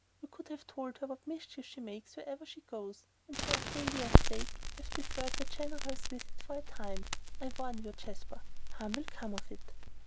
"You could have told her what mischief she makes wherever she goes, and for Octavia's sake have deferred the general's visit for a time. I warn you, Jasper, harm will come of it."